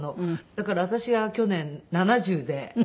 だから私が去年７０で。